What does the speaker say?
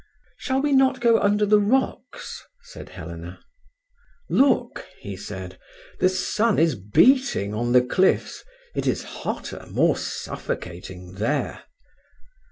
"Shall we not go under the rocks?" said Helena. "Look!" he said, "the sun is beating on the cliffs. It is hotter, more suffocating, there."